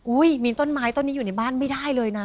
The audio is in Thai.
มีต้นไม้ต้นนี้อยู่ในบ้านไม่ได้เลยนะ